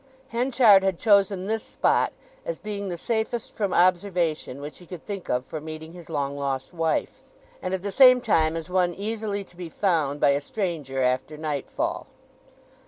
Henchard had chosen this spot as being the safest from observation which he could think of for meeting his long lost wife, and at the same time as one easily to be found by a stranger after nightfall.